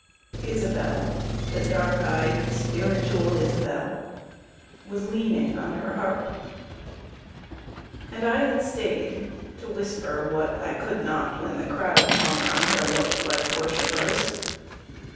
Isabel, The dark eyed, spiritual Isabel Was leaning on her harp, and I had staid To whisper what I could not when the crowd Hung on her look like worshippers.